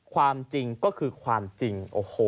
ความจริงก็คือความจริง